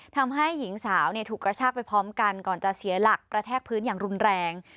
ทำให้หญิงสาวถูกกระชากไปพร้อมกันก่อนจะเสียหลักกระแทกพื้นอย่างรุนแรง